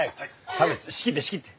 田渕仕切って仕切って。